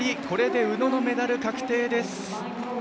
これで宇野のメダル確定です。